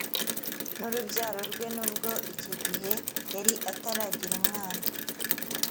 n urubyaro rwe nubwo icyo gihe yari ataragira umwana